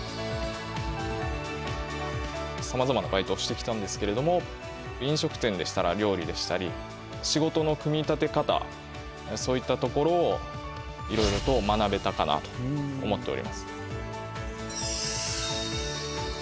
さまざまなバイトをしてきたんですけれども飲食店でしたら料理でしたり仕事の組み立て方そういったところをいろいろと学べたかなと思っております。